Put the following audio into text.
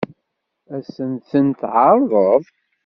Ad sen-ten-tɛeṛḍeḍ?